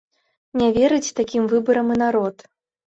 Не верыць такім выбарам і народ.